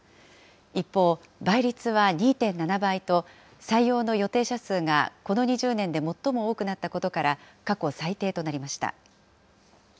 一方、倍率は２．７倍と、採用の予定者数がこの２０年で最も多くなったことから、過去最低となりました。